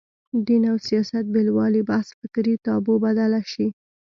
دین او سیاست بېلوالي بحث فکري تابو بدله شي